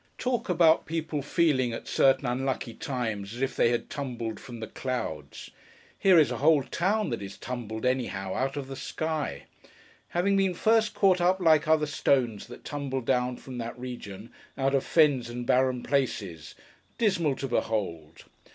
Talk about people feeling, at certain unlucky times, as if they had tumbled from the clouds! Here is a whole town that is tumbled, anyhow, out of the sky; having been first caught up, like other stones that tumble down from that region, out of fens and barren places, dismal to behold!